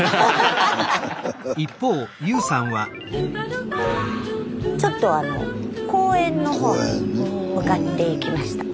スタジオちょっとあの公園の方に向かっていきました。